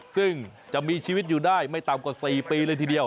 ซึ่งจะมีชีวิตอยู่ได้ไม่ต่ำกว่า๔ปีเลยทีเดียว